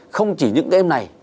không chỉ những em này